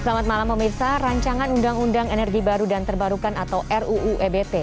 selamat malam pemirsa rancangan undang undang energi baru dan terbarukan atau ruu ebt